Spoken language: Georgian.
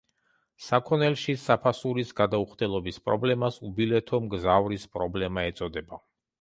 საქონელში საფასურის გადაუხდელობის პრობლემას უბილეთო მგზავრის პრობლემა ეწოდება.